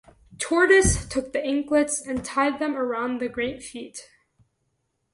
Tortoise took the anklets and tied them around the great feet.